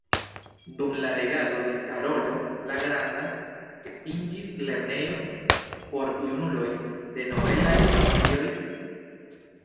Dum la regado de Karolo la Granda estiĝis lernejo por junuloj de nobelaj familioj.